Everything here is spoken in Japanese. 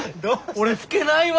俺吹けないわ。